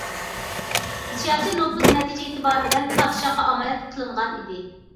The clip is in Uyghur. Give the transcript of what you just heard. سىياسىي نوپۇز نەتىجە ئېتىبارى بىلەن پادىشاھقا ئامانەت قىلىنغان ئىدى.